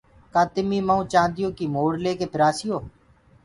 ڪآ تمي مئو چآنديو ڪي موڙ ليڪي پرآسيو